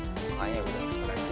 makanya udah sekolahin aja